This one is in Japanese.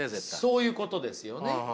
そういうことですよね。